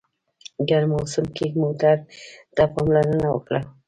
ګرم موسم کې موټر ته پاملرنه وکړه.